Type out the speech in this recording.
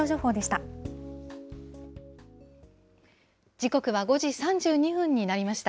時刻は５時３２分になりました。